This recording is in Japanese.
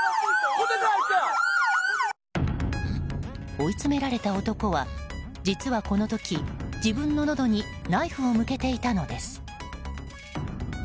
追い詰められた男は実はこの時自分ののどにナイフを向けていたのです。